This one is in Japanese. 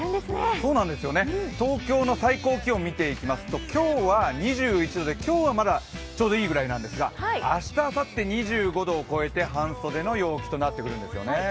東京の最高気温を見ていきますと今日は２１度で、今日はまだちょうどいいぐらいなんですが明日、あさって２５度を超えて半袖の陽気となってくるんですよね。